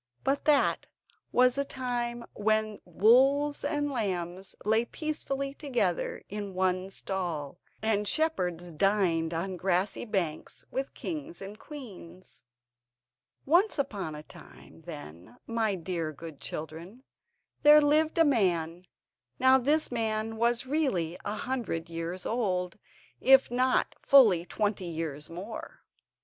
But that was the time when wolves and lambs lay peacefully together in one stall, and shepherds dined on grassy banks with kings and queens. Once upon a time, then, my dear good children, there lived a man. Now this man was really a hundred years old, if not fully twenty years more.